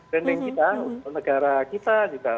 branding kita negara kita juga